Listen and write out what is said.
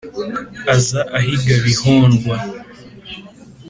aza ahiga bihondwa.